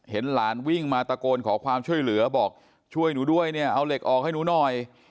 เห็นหลานวิ่งมาตะโกนขอความช่วยเหลือบอกช่วยหนูด้วยเนี่ยเอาเหล็กออกให้หนูหน่อย